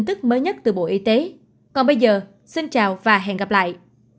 tin tức mới nhất từ bộ y tế còn bây giờ xin chào và hẹn gặp lại